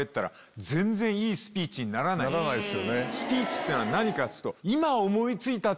スピーチってのは何かっつうと。